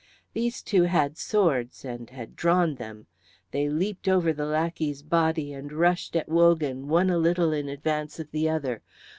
These two had swords and had drawn them. They leaped over the lackey's body and rushed at Wogan one a little in advance of the other.